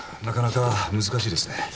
なかなか難しいですね。